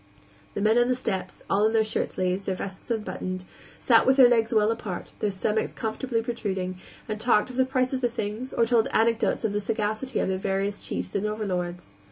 The men on the steps all in their shirt sleeves, their vests unbuttoned sat with their legs well apart, their stomachs comfortably protruding, and talked of the prices of things, or told anecdotes of the sagacity of their various chiefs and overlords.